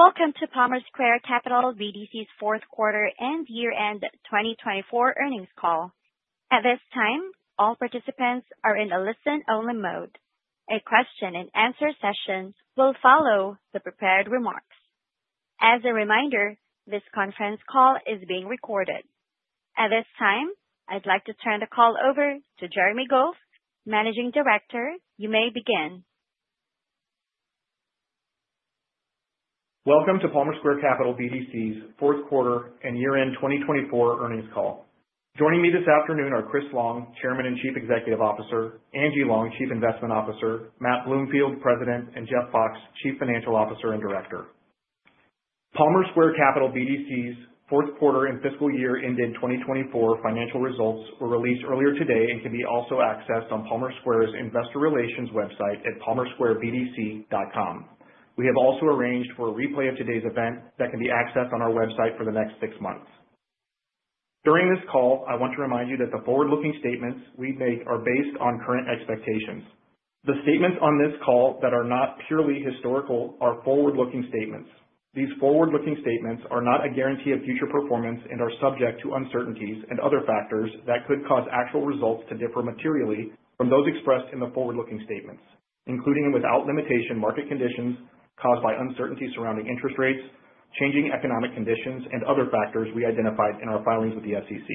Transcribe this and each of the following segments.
Welcome to Palmer Square Capital BDC's fourth quarter and year-end 2024 earnings call. At this time, all participants are in a listen-only mode. A question and answer session will follow the prepared remarks. As a reminder, this conference call is being recorded. At this time, I'd like to turn the call over to Jeremy Goff, managing director. You may begin. Welcome to Palmer Square Capital BDC's fourth quarter and year-end 2024 earnings call. Joining me this afternoon are Chris Long, Chairman and Chief Executive Officer, Angie Long, Chief Investment Officer, Matt Bloomfield, President, and Jeff Fox, Chief Financial Officer and Director. Palmer Square Capital BDC's fourth quarter and fiscal year ended 2024 financial results were released earlier today and can be also accessed on Palmer Square's investor relations website at palmersquarebdc.com. We have also arranged for a replay of today's event that can be accessed on our website for the next six months. During this call, I want to remind you that the forward-looking statements we make are based on current expectations. The statements on this call that are not purely historical are forward-looking statements. These forward-looking statements are not a guarantee of future performance and are subject to uncertainties and other factors that could cause actual results to differ materially from those expressed in the forward-looking statements, including and without limitation, market conditions caused by uncertainty surrounding interest rates, changing economic conditions, and other factors we identified in our filings with the SEC.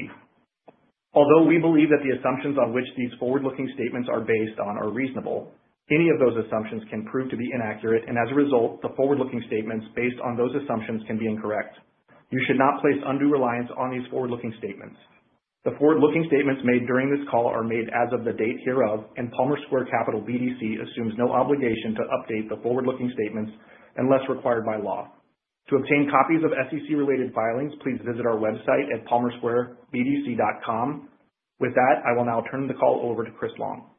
Although we believe that the assumptions on which these forward-looking statements are based on are reasonable, any of those assumptions can prove to be inaccurate, and as a result, the forward-looking statements based on those assumptions can be incorrect. You should not place undue reliance on these forward-looking statements. The forward-looking statements made during this call are made as of the date hereof, and Palmer Square Capital BDC assumes no obligation to update the forward-looking statements unless required by law. To obtain copies of SEC-related filings, please visit our website at palmersquarebdc.com. With that, I will now turn the call over to Chris Long.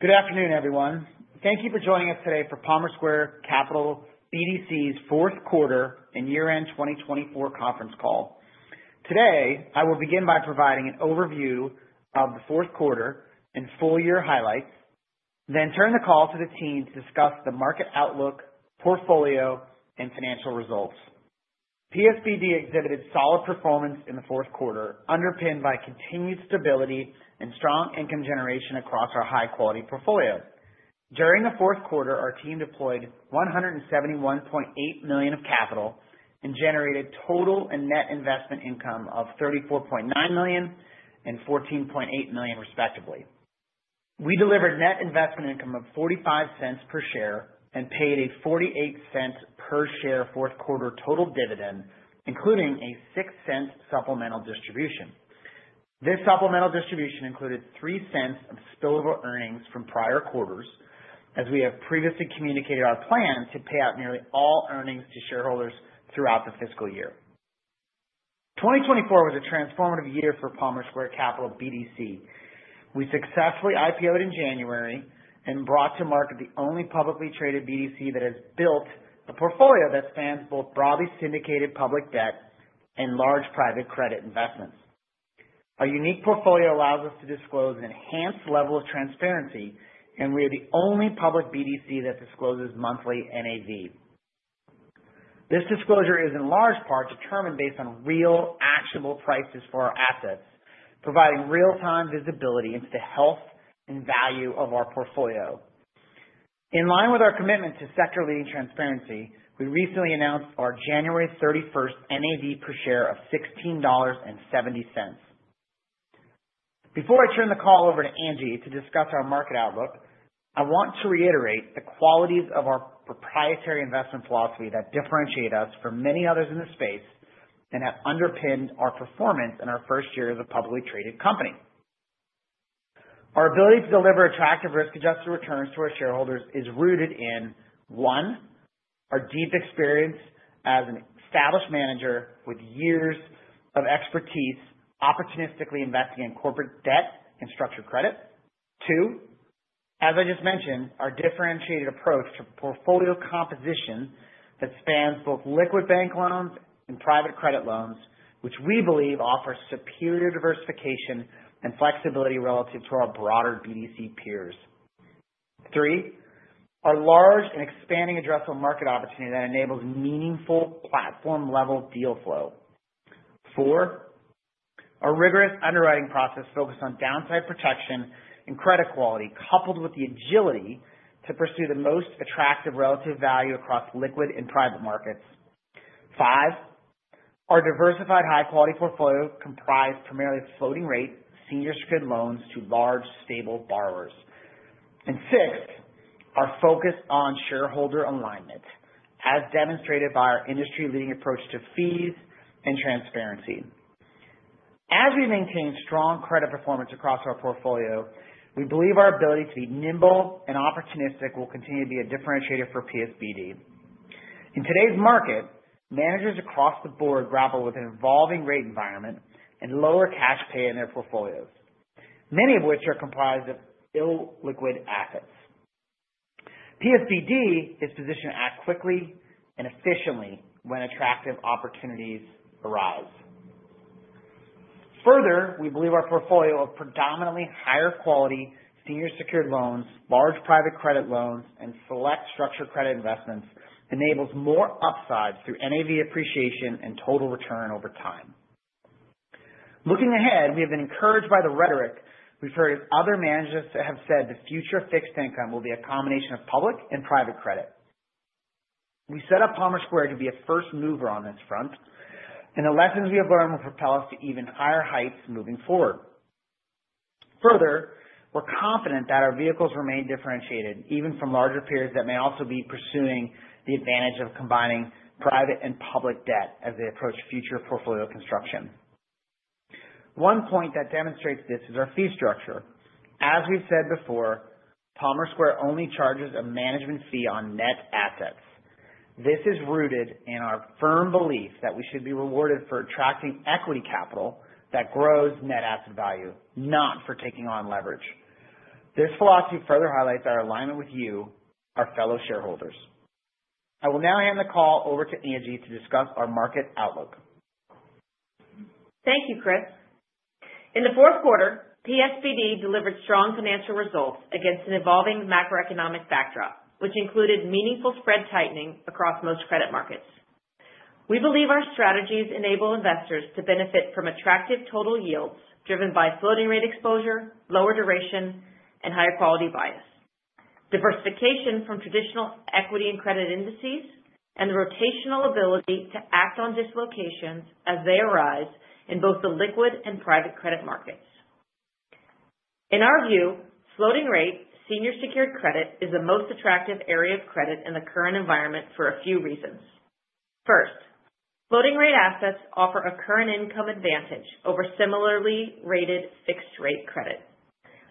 Good afternoon, everyone. Thank you for joining us today for Palmer Square Capital BDC's fourth quarter and year-end 2024 conference call. Today, I will begin by providing an overview of the fourth quarter and full year highlights. Turn the call to the team to discuss the market outlook, portfolio, and financial results. PSBD exhibited solid performance in the fourth quarter, underpinned by continued stability and strong income generation across our high-quality portfolio. During the fourth quarter, our team deployed $171.8 million of capital and generated total and net investment income of $34.9 million and $14.8 million, respectively. We delivered net investment income of $0.45 per share and paid a $0.48 per share fourth quarter total dividend, including a $0.06 supplemental distribution. This supplemental distribution included $0.03 of spillover earnings from prior quarters, as we have previously communicated our plan to pay out nearly all earnings to shareholders throughout the fiscal year. 2024 was a transformative year for Palmer Square Capital BDC. We successfully IPO'd in January and brought to market the only publicly traded BDC that has built a portfolio that spans both broadly syndicated public debt and large private credit investments. Our unique portfolio allows us to disclose an enhanced level of transparency, and we are the only public BDC that discloses monthly NAV. This disclosure is in large part determined based on real, actionable prices for our assets, providing real-time visibility into the health and value of our portfolio. In line with our commitment to sector-leading transparency, we recently announced our January 31st NAV per share of $16.70. Before I turn the call over to Angie to discuss our market outlook, I want to reiterate the qualities of our proprietary investment philosophy that differentiate us from many others in this space and have underpinned our performance in our first year as a publicly traded company. Our ability to deliver attractive risk-adjusted returns to our shareholders is rooted in, one, our deep experience as an established manager with years of expertise opportunistically investing in corporate debt and structured credit. Two, as I just mentioned, our differentiated approach to portfolio composition that spans both liquid bank loans and private credit loans, which we believe offers superior diversification and flexibility relative to our broader BDC peers. Three, our large and expanding addressable market opportunity that enables meaningful platform-level deal flow. Four, our rigorous underwriting process focused on downside protection and credit quality, coupled with the agility to pursue the most attractive relative value across liquid and private markets. Five, our diversified high-quality portfolio comprised primarily of floating rate senior secured loans to large, stable borrowers. Six, our focus on shareholder alignment, as demonstrated by our industry-leading approach to fees and transparency. As we maintain strong credit performance across our portfolio, we believe our ability to be nimble and opportunistic will continue to be a differentiator for PSBD. In today's market, managers across the board grapple with an evolving rate environment and lower cash pay in their portfolios, many of which are comprised of illiquid assets. PSBD is positioned to act quickly and efficiently when attractive opportunities arise. We believe our portfolio of predominantly higher quality senior secured loans, large private credit loans, and select structured credit investments enables more upsides through NAV appreciation and total return over time. Looking ahead, we have been encouraged by the rhetoric we've heard as other managers have said the future fixed income will be a combination of public and private credit. We set up Palmer Square to be a first mover on this front, and the lessons we have learned will propel us to even higher heights moving forward. We're confident that our vehicles remain differentiated, even from larger peers that may also be pursuing the advantage of combining private and public debt as they approach future portfolio construction. One point that demonstrates this is our fee structure. As we've said before, Palmer Square only charges a management fee on net assets. This is rooted in our firm belief that we should be rewarded for attracting equity capital that grows net asset value, not for taking on leverage. This philosophy further highlights our alignment with you, our fellow shareholders. I will now hand the call over to Angie to discuss our market outlook. Thank you, Chris. In the fourth quarter, PSBD delivered strong financial results against an evolving macroeconomic backdrop, which included meaningful spread tightening across most credit markets. We believe our strategies enable investors to benefit from attractive total yields driven by floating rate exposure, lower duration, and higher quality bias. Diversification from traditional equity and credit indices, and the rotational ability to act on dislocations as they arise in both the liquid and private credit markets. In our view, floating rate senior secured credit is the most attractive area of credit in the current environment for a few reasons. First, floating rate assets offer a current income advantage over similarly rated fixed rate credit.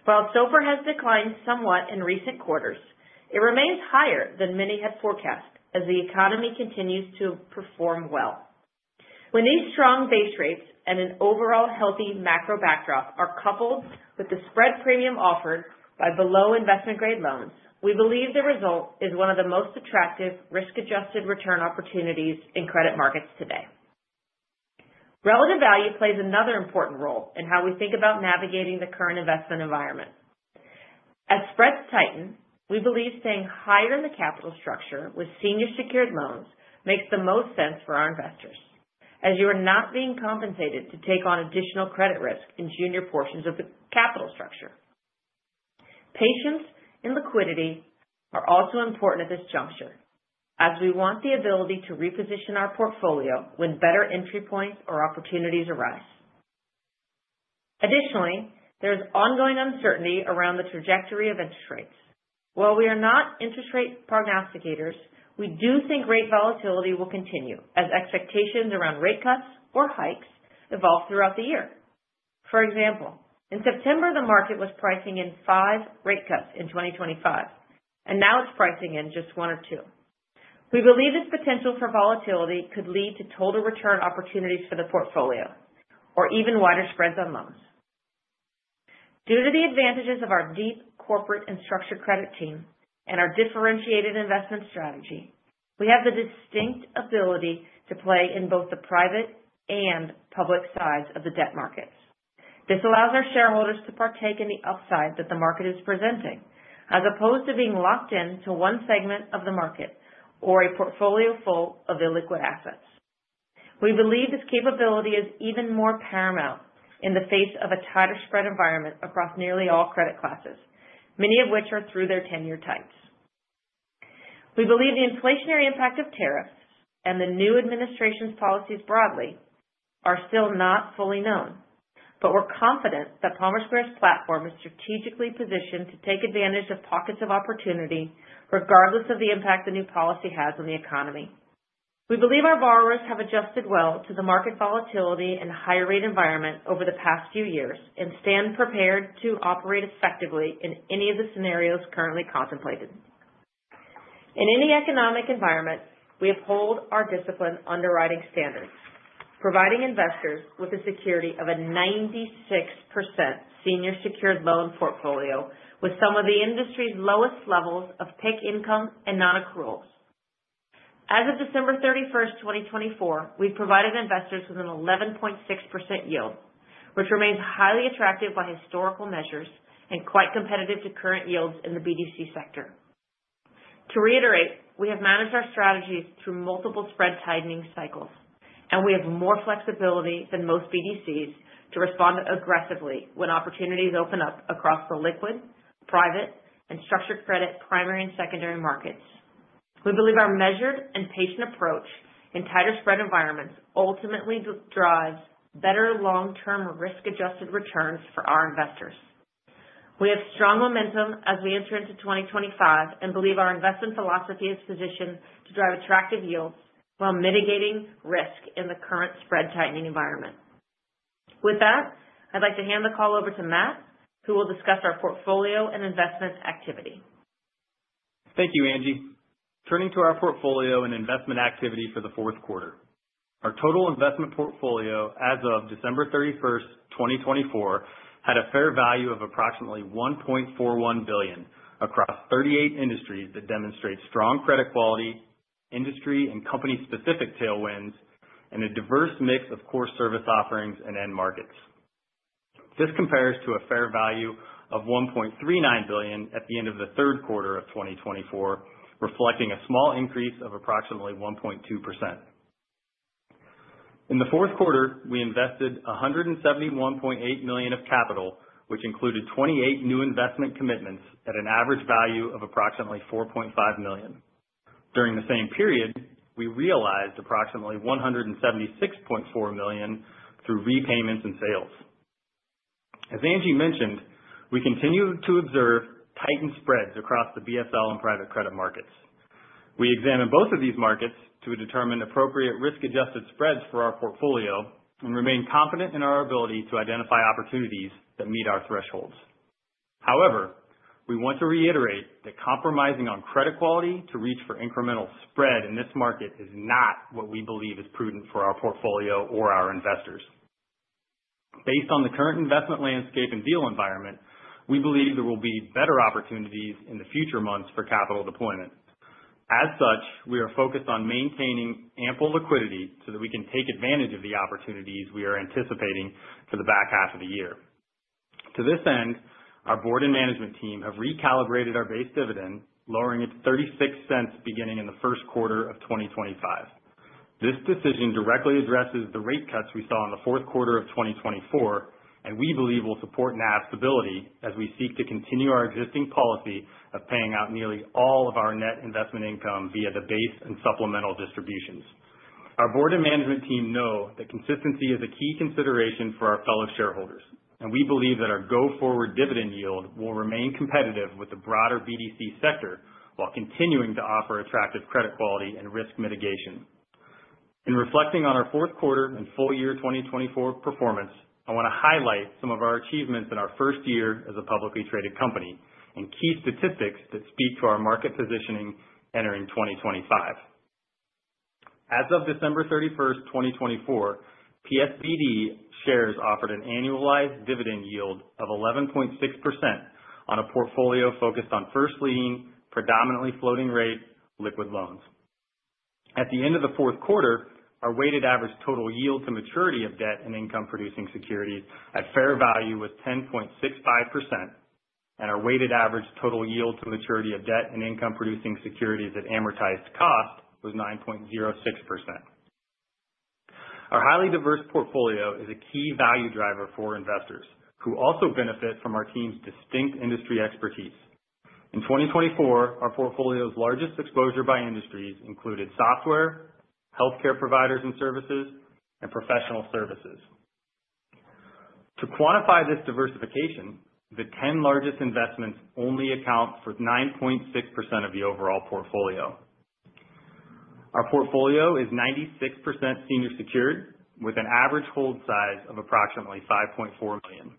While SOFR has declined somewhat in recent quarters, it remains higher than many had forecast as the economy continues to perform well. When these strong base rates and an overall healthy macro backdrop are coupled with the spread premium offered by below investment grade loans, we believe the result is one of the most attractive risk-adjusted return opportunities in credit markets today. Relative value plays another important role in how we think about navigating the current investment environment. As spreads tighten, we believe staying higher in the capital structure with senior secured loans makes the most sense for our investors, as you are not being compensated to take on additional credit risk in junior portions of the capital structure. Patience and liquidity are also important at this juncture, as we want the ability to reposition our portfolio when better entry points or opportunities arise. Additionally, there is ongoing uncertainty around the trajectory of interest rates. While we are not interest rate prognosticators, we do think rate volatility will continue as expectations around rate cuts or hikes evolve throughout the year. For example, in September, the market was pricing in five rate cuts in 2025, and now it's pricing in just one or two. We believe this potential for volatility could lead to total return opportunities for the portfolio or even wider spreads on loans. Due to the advantages of our deep corporate and structured credit team and our differentiated investment strategy, we have the distinct ability to play in both the private and public sides of the debt markets. This allows our shareholders to partake in the upside that the market is presenting, as opposed to being locked into one segment of the market or a portfolio full of illiquid assets. We believe this capability is even more paramount in the face of a tighter spread environment across nearly all credit classes, many of which are through their ten-year tights. We believe the inflationary impact of tariffs and the new administration's policies broadly are still not fully known. We're confident that Palmer Square's platform is strategically positioned to take advantage of pockets of opportunity regardless of the impact the new policy has on the economy. We believe our borrowers have adjusted well to the market volatility and higher rate environment over the past few years and stand prepared to operate effectively in any of the scenarios currently contemplated. In any economic environment, we uphold our discipline underwriting standards, providing investors with the security of a 96% senior secured loan portfolio with some of the industry's lowest levels of PIK income and non-accruals. As of December 31st, 2024, we've provided investors with an 11.6% yield, which remains highly attractive by historical measures and quite competitive to current yields in the BDC sector. To reiterate, we have managed our strategies through multiple spread tightening cycles, and we have more flexibility than most BDCs to respond aggressively when opportunities open up across the liquid, private, and structured credit primary and secondary markets. We believe our measured and patient approach in tighter spread environments ultimately drives better long-term risk-adjusted returns for our investors. We have strong momentum as we enter into 2025 and believe our investment philosophy is positioned to drive attractive yields while mitigating risk in the current spread tightening environment. With that, I'd like to hand the call over to Matt, who will discuss our portfolio and investments activity. Thank you, Angie. Turning to our portfolio and investment activity for the fourth quarter. Our total investment portfolio as of December 31st, 2024, had a fair value of approximately $1.41 billion across 38 industries that demonstrate strong credit quality Industry and company specific tailwinds, and a diverse mix of core service offerings and end markets. This compares to a fair value of $1.39 billion at the end of the third quarter of 2024, reflecting a small increase of approximately 1.2%. In the fourth quarter, we invested $171.8 million of capital, which included 28 new investment commitments at an average value of approximately $4.5 million. During the same period, we realized approximately $176.4 million through repayments and sales. As Angie mentioned, we continue to observe tightened spreads across the BSL and private credit markets. We examine both of these markets to determine appropriate risk-adjusted spreads for our portfolio and remain confident in our ability to identify opportunities that meet our thresholds. However, we want to reiterate that compromising on credit quality to reach for incremental spread in this market is not what we believe is prudent for our portfolio or our investors. Based on the current investment landscape and deal environment, we believe there will be better opportunities in the future months for capital deployment. As such, we are focused on maintaining ample liquidity so that we can take advantage of the opportunities we are anticipating for the back half of the year. To this end, our board and management team have recalibrated our base dividend, lowering it to $0.36, beginning in the first quarter of 2025. This decision directly addresses the rate cuts we saw in the fourth quarter of 2024, and we believe will support NAV stability as we seek to continue our existing policy of paying out nearly all of our net investment income via the base and supplemental distributions. Our board and management team know that consistency is a key consideration for our fellow shareholders, and we believe that our go-forward dividend yield will remain competitive with the broader BDC sector while continuing to offer attractive credit quality and risk mitigation. In reflecting on our fourth quarter and full year 2024 performance, I want to highlight some of our achievements in our first year as a publicly traded company and key statistics that speak to our market positioning entering 2025. As of December 31st, 2024, PSBD shares offered an annualized dividend yield of 11.6% on a portfolio focused on first lien, predominantly floating rate liquid loans. At the end of the fourth quarter, our weighted average total yield to maturity of debt and income-producing securities at fair value was 10.65%, and our weighted average total yield to maturity of debt and income-producing securities at amortized cost was 9.06%. Our highly diverse portfolio is a key value driver for investors who also benefit from our team's distinct industry expertise. In 2024, our portfolio's largest exposure by industries included software, healthcare providers and services, and professional services. To quantify this diversification, the 10 largest investments only account for 9.6% of the overall portfolio. Our portfolio is 96% senior secured, with an average hold size of approximately $5.4 million.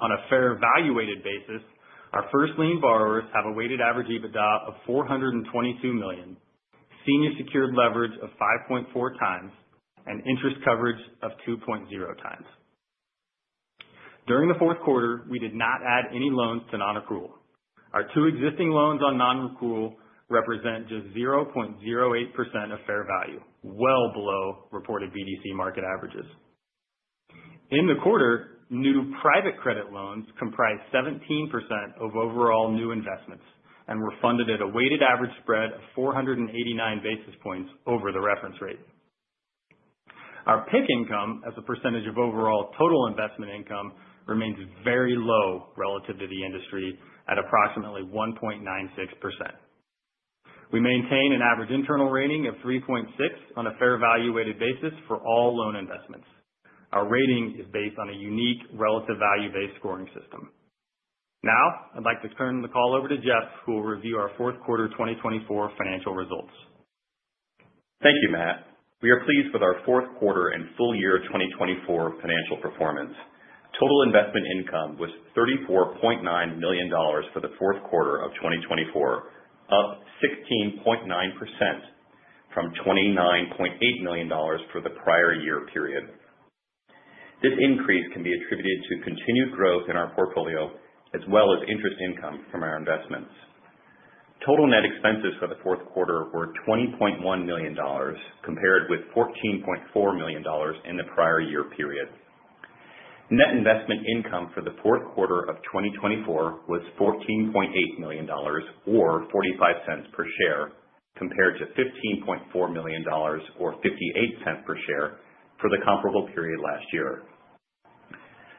On a fair valued basis, our first lien borrowers have a weighted average EBITDA of $422 million, senior secured leverage of 5.4 times, and interest coverage of 2.0 times. During the fourth quarter, we did not add any loans to non-accrual. Our two existing loans on non-accrual represent just 0.08% of fair value, well below reported BDC market averages. In the quarter, new private credit loans comprised 17% of overall new investments and were funded at a weighted average spread of 489 basis points over the reference rate. Our PIK income as a percentage of overall total investment income remains very low relative to the industry at approximately 1.96%. We maintain an average internal rating of 3.6 on a fair value weighted basis for all loan investments. Our rating is based on a unique relative value-based scoring system. I'd like to turn the call over to Jeff, who will review our fourth quarter 2024 financial results. Thank you, Matt. We are pleased with our fourth quarter and full year 2024 financial performance. Total investment income was $34.9 million for the fourth quarter of 2024, up 16.9% from $29.8 million for the prior year period. This increase can be attributed to continued growth in our portfolio, as well as interest income from our investments. Total net expenses for the fourth quarter were $20.1 million, compared with $14.4 million in the prior year period. Net investment income for the fourth quarter of 2024 was $14.8 million, or $0.45 per share, compared to $15.4 million, or $0.58 per share for the comparable period last year.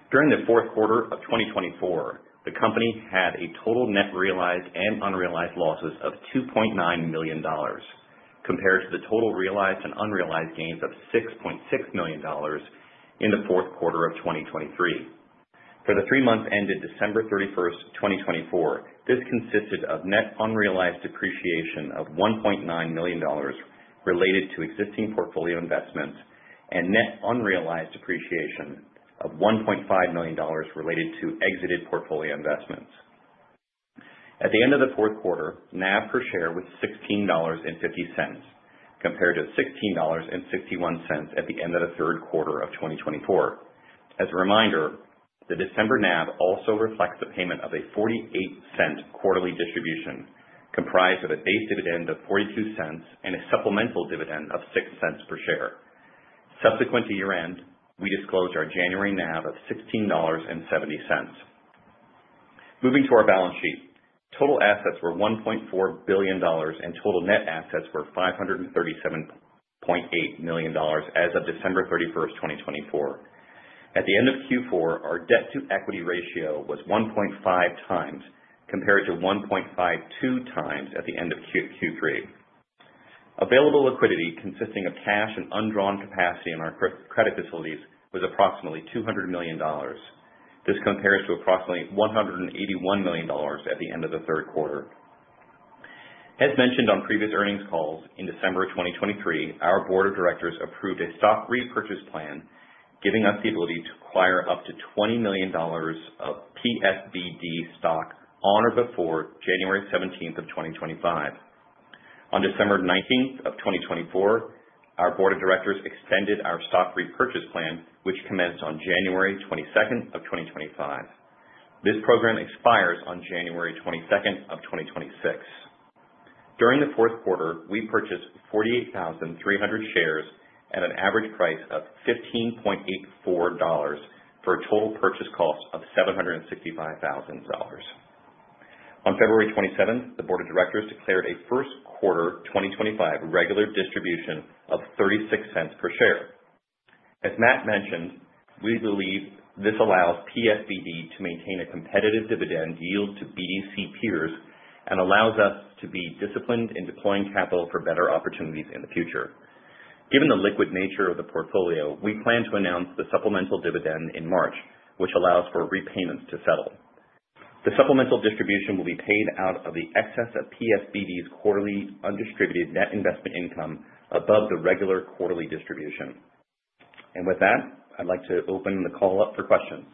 During the fourth quarter of 2024, the company had a total net realized and unrealized losses of $2.9 million, compared to the total realized and unrealized gains of $6.6 million in the fourth quarter of 2023. For the three months ended December 31st, 2024, this consisted of net unrealized depreciation of $1.9 million related to existing portfolio investments and net unrealized appreciation of $1.5 million related to exited portfolio investments. At the end of the fourth quarter, NAV per share was $16.50. Compared to $16.61 at the end of the third quarter of 2024. As a reminder, the December NAV also reflects the payment of a $0.48 quarterly distribution, comprised of a base dividend of $0.42 and a supplemental dividend of $0.06 per share. Subsequent to year-end, we disclosed our January NAV of $16.70. Moving to our balance sheet. Total assets were $1.4 billion, and total net assets were $537.8 million as of December 31st, 2024. At the end of Q4, our debt-to-equity ratio was 1.5 times, compared to 1.52 times at the end of Q3. Available liquidity, consisting of cash and undrawn capacity in our credit facilities, was approximately $200 million. This compares to approximately $181 million at the end of the third quarter. As mentioned on previous earnings calls, in December of 2023, our board of directors approved a stock repurchase plan, giving us the ability to acquire up to $20 million of PSBD stock on or before January 17th of 2025. On December 19th of 2024, our board of directors extended our stock repurchase plan, which commenced on January 22nd of 2025. This program expires on January 22nd of 2026. During the fourth quarter, we purchased 48,300 shares at an average price of $15.84 for a total purchase cost of $765,000. On February 27th, the board of directors declared a first quarter 2025 regular distribution of $0.36 per share. As Matt mentioned, we believe this allows PSBD to maintain a competitive dividend yield to BDC peers and allows us to be disciplined in deploying capital for better opportunities in the future. Given the liquid nature of the portfolio, we plan to announce the supplemental dividend in March, which allows for repayments to settle. The supplemental distribution will be paid out of the excess of PSBD's quarterly undistributed net investment income above the regular quarterly distribution. With that, I'd like to open the call up for questions.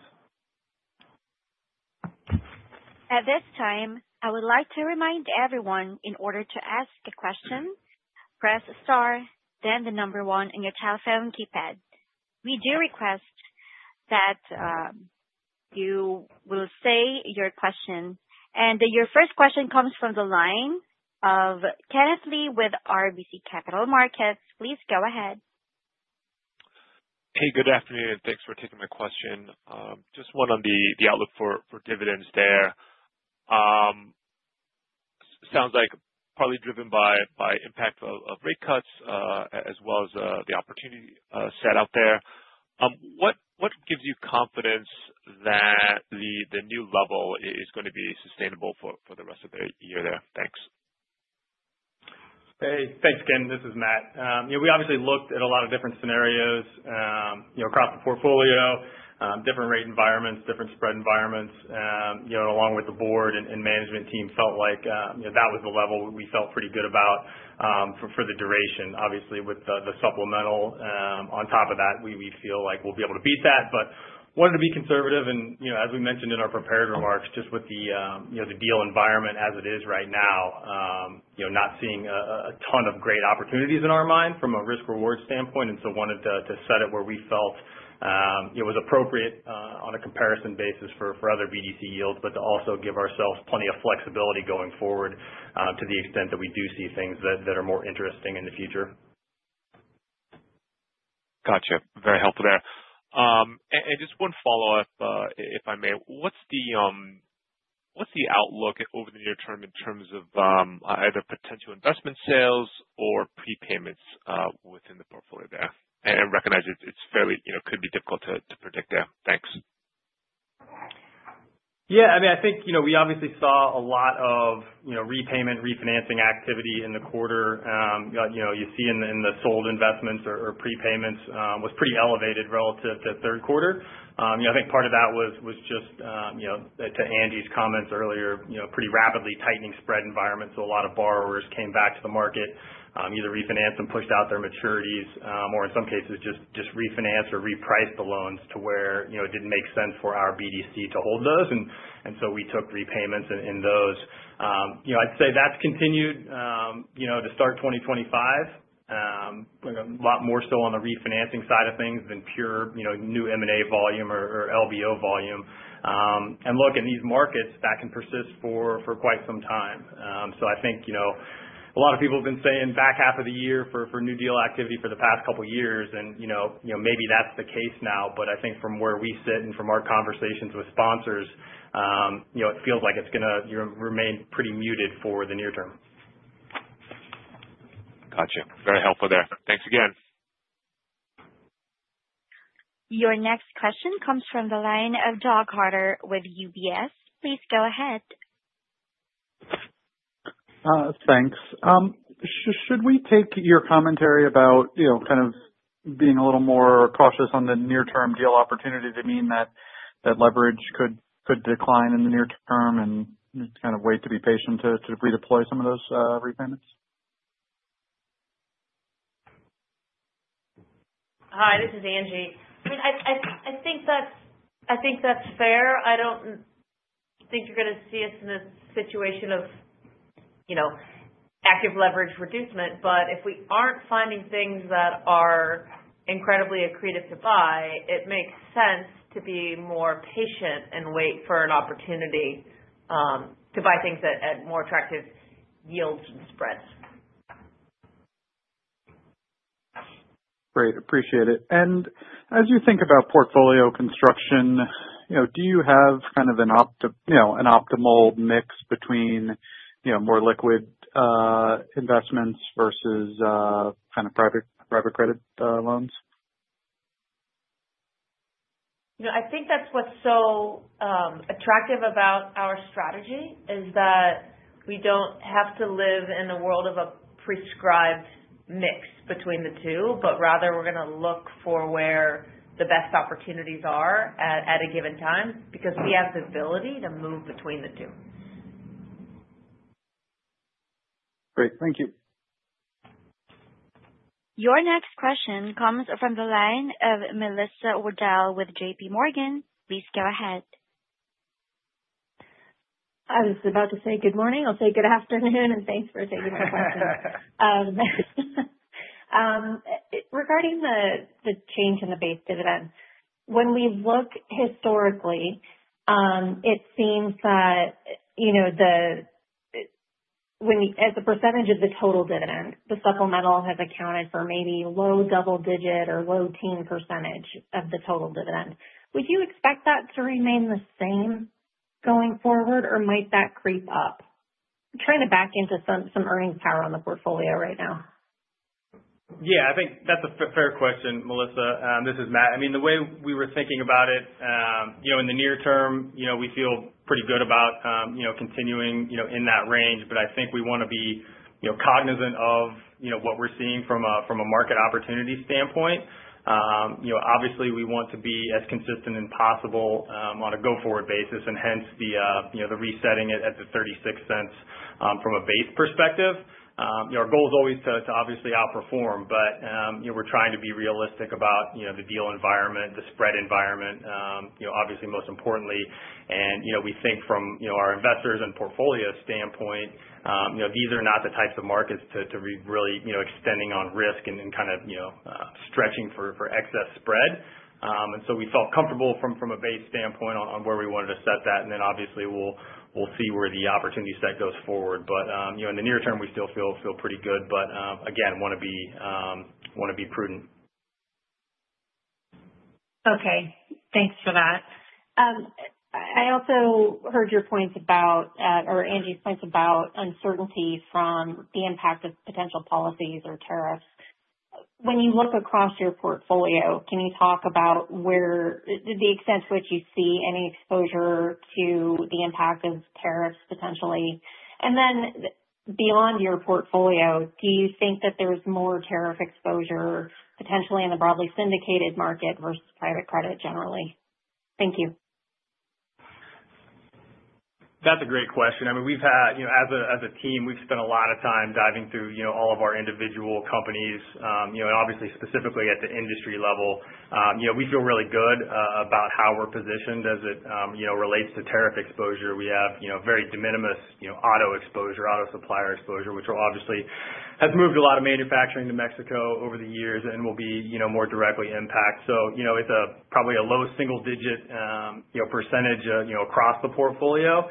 At this time, I would like to remind everyone in order to ask a question, press star then the number 1 on your telephone keypad. We do request that you will say your question. Your first question comes from the line of Kenneth Lee with RBC Capital Markets. Please go ahead. Hey, good afternoon, and thanks for taking my question. Just one on the outlook for dividends there. Sounds like probably driven by impact of rate cuts, as well as the opportunity set out there. What gives you confidence that the new level is going to be sustainable for the rest of the year there? Thanks. Hey, thanks, Ken. This is Matt. We obviously looked at a lot of different scenarios across the portfolio, different rate environments, different spread environments. Along with the board and management team felt like that was the level we felt pretty good about for the duration. Obviously, with the supplemental on top of that, we feel like we'll be able to beat that. Wanted to be conservative and as we mentioned in our prepared remarks, just with the deal environment as it is right now. Not seeing a ton of great opportunities in our mind from a risk-reward standpoint. So wanted to set it where we felt it was appropriate on a comparison basis for other BDC yields, but to also give ourselves plenty of flexibility going forward to the extent that we do see things that are more interesting in the future. Got you. Very helpful there. Just one follow-up, if I may. What's the outlook over the near term in terms of either potential investment sales or prepayments within the portfolio there? I recognize it could be difficult to predict there. Thanks. Yeah. I think we obviously saw a lot of repayment, refinancing activity in the quarter. You see in the sold investments or prepayments was pretty elevated relative to third quarter. I think part of that was just, to Angie's comments earlier, pretty rapidly tightening spread environment. A lot of borrowers came back to the market, either refinanced and pushed out their maturities, or in some cases just refinanced or repriced the loans to where it didn't make sense for our BDC to hold those. We took repayments in those. I'd say that's continued to start 2025. A lot more so on the refinancing side of things than pure new M&A volume or LBO volume. Look, in these markets, that can persist for quite some time. I think a lot of people have been saying back half of the year for new deal activity for the past couple of years, and maybe that's the case now. I think from where we sit and from our conversations with sponsors, it feels like it's going to remain pretty muted for the near term. Got you. Very helpful there. Thanks again. Your next question comes from the line of Doug Harter with UBS. Please go ahead. Thanks. Should we take your commentary about kind of being a little more cautious on the near-term deal opportunity to mean that leverage could decline in the near term and kind of wait to be patient to redeploy some of those repayments? Hi, this is Angie. I think that's fair. I don't think you're going to see us in a situation of active leverage reduction. If we aren't finding things that are incredibly accretive to buy, it makes sense to be more patient and wait for an opportunity to buy things at more attractive yields and spreads. Great. Appreciate it. As you think about portfolio construction, do you have kind of an optimal mix between more liquid investments versus kind of private credit loans? I think that's what's so attractive about our strategy is that we don't have to live in a world of a prescribed mix between the two. Rather we're going to look for where the best opportunities are at a given time, because we have the ability to move between the two. Great. Thank you. Your next question comes from the line of Melisa Wedel with JPMorgan. Please go ahead. I was about to say good morning. I'll say good afternoon. Thanks for taking my question. Regarding the change in the base dividend, when we look historically, it seems that as a % of the total dividend, the supplemental has accounted for maybe low double digit or low teen % of the total dividend. Would you expect that to remain the same going forward, or might that creep up? I'm trying to back into some earnings power on the portfolio right now. Yeah, I think that's a fair question, Melissa. This is Matt. The way we were thinking about it, in the near term, we feel pretty good about continuing in that range. I think we want to be cognizant of what we're seeing from a market opportunity standpoint. Obviously, we want to be as consistent as possible on a go-forward basis, and hence the resetting it at $0.36 from a base perspective. Our goal is always to obviously outperform, but we're trying to be realistic about the deal environment, the spread environment. Obviously, most importantly, and we think from our investors and portfolio standpoint, these are not the types of markets to be really extending on risk and then kind of stretching for excess spread. We felt comfortable from a base standpoint on where we wanted to set that. Obviously we'll see where the opportunity set goes forward. In the near term, we still feel pretty good but again, want to be prudent. Okay. Thanks for that. I also heard Angie's points about uncertainty from the impact of potential policies or tariffs. When you look across your portfolio, can you talk about the extent to which you see any exposure to the impact of tariffs potentially? Beyond your portfolio, do you think that there's more tariff exposure potentially in the broadly syndicated market versus private credit generally? Thank you. That's a great question. As a team, we've spent a lot of time diving through all of our individual companies, and obviously specifically at the industry level. We feel really good about how we're positioned as it relates to tariff exposure. We have very de minimis auto supplier exposure, which obviously has moved a lot of manufacturing to Mexico over the years and will be more directly impacted. So it's probably a low single digit % across the portfolio.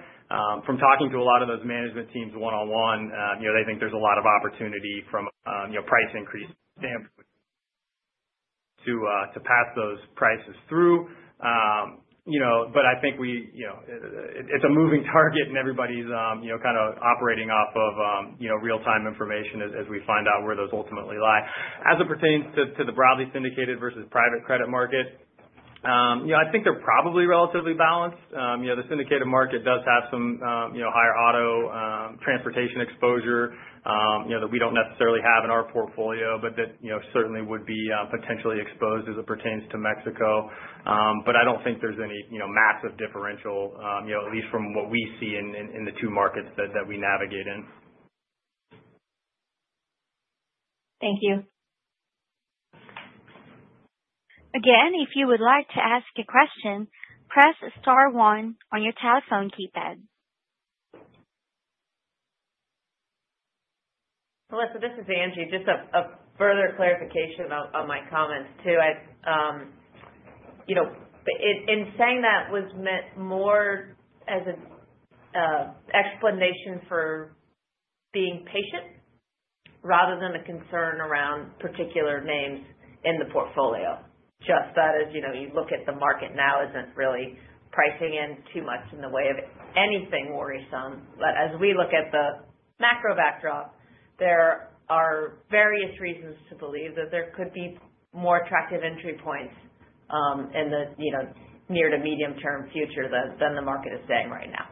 From talking to a lot of those management teams one-on-one, they think there's a lot of opportunity from a price increase standpoint to pass those prices through. I think it's a moving target and everybody's kind of operating off of real-time information as we find out where those ultimately lie. As it pertains to the broadly syndicated versus private credit market, I think they're probably relatively balanced. The syndicated market does have some higher auto transportation exposure that we don't necessarily have in our portfolio, that certainly would be potentially exposed as it pertains to Mexico. I don't think there's any massive differential, at least from what we see in the two markets that we navigate in. Thank you. Again, if you would like to ask a question, press star one on your telephone keypad. Melissa, this is Angie. Just a further clarification on my comments too. In saying that was meant more as an explanation for being patient rather than a concern around particular names in the portfolio. Just that as you look at the market now isn't really pricing in too much in the way of anything worrisome. As we look at the macro backdrop, there are various reasons to believe that there could be more attractive entry points in the near to medium term future than the market is saying right now.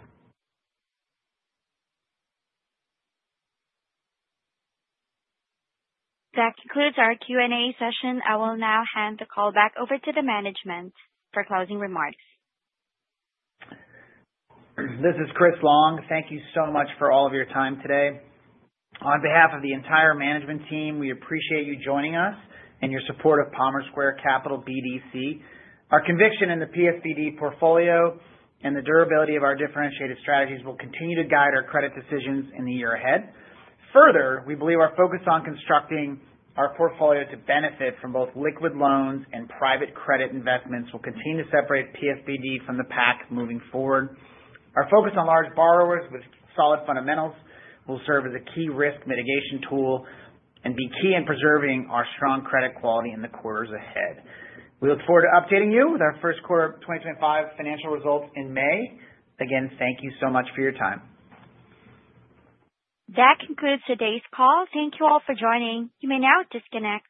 That concludes our Q&A session. I will now hand the call back over to the management for closing remarks. This is Chris Long. Thank you so much for all of your time today. On behalf of the entire management team, we appreciate you joining us and your support of Palmer Square Capital BDC. Our conviction in the PSBD portfolio and the durability of our differentiated strategies will continue to guide our credit decisions in the year ahead. We believe our focus on constructing our portfolio to benefit from both liquid loans and private credit investments will continue to separate PSBD from the pack moving forward. Our focus on large borrowers with solid fundamentals will serve as a key risk mitigation tool and be key in preserving our strong credit quality in the quarters ahead. We look forward to updating you with our first quarter 2025 financial results in May. Thank you so much for your time. That concludes today's call. Thank you all for joining. You may now disconnect.